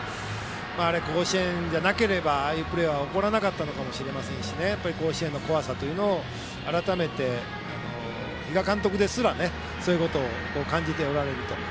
あれは甲子園じゃなければああいうプレーは起こらなかったのかもしれませんし甲子園の怖さを改めて比嘉監督ですらそういうことを感じておられると。